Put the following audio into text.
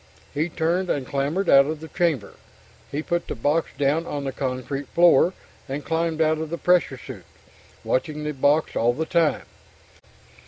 He turned and clambered out of the chamber. He put the box down on the concrete floor, and climbed out of the pressure suit, watching the box all the time.